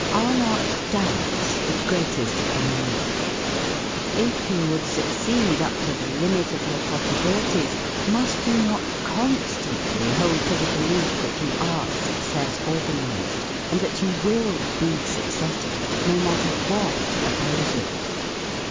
Are not doubts the greatest of enemies? If you would succeed up to the limit of your possibilities, must you not constantly hold to the belief that you are success organized, and that you will be successful, no matter what opposes?